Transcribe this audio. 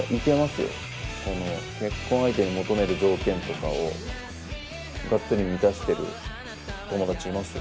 結婚相手に求める条件とかをがっつり満たしている友達いますよ。